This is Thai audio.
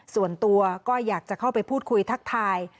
ส่วนตัวก็อยากจะเข้าไปพูดคุยทักทาย